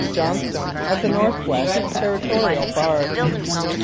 Johnstone, of the North West Territorial Bar.